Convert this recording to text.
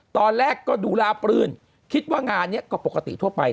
ตอนแรกก็ดูลาปลื่นคิดว่างานนี้ก็ปกติทั่วไป